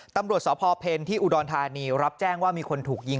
ตำรวจสพเพลที่อุดรธานีรับแจ้งว่ามีคนถูกยิง